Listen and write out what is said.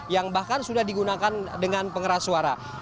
yang bahkan sudah digunakan dengan pengeras suara